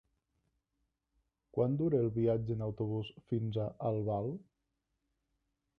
Quant dura el viatge en autobús fins a Albal?